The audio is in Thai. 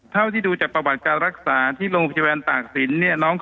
เท่าที่ดูจากประวัติการรักษาที่โรงพยาบาลตากศิลป์เนี่ย